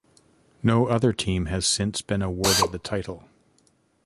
No other team has since been awarded the title.